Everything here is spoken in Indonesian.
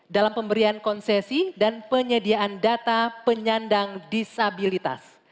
dalam pemberian konsesi dan penyediaan data penyandang disabilitas